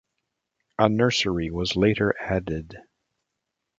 A nursery was later added.